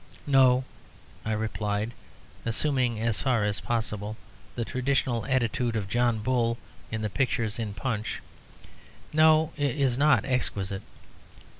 "No," I replied, assuming as far as possible the traditional attitude of John Bull in the pictures in Punch "No, it is not exquisite.